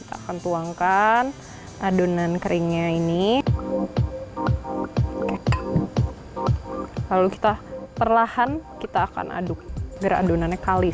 kita akan tuangkan adonan keringnya ini lalu kita perlahan kita akan aduk biar adonannya kalis